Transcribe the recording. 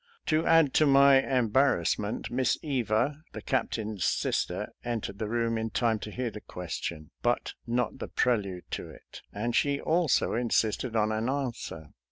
To add to my em barrassment. Miss Eva, the Captain's sister, en tered the room in time to hear the question, but not the prelude to it, and she also insisted on an answer.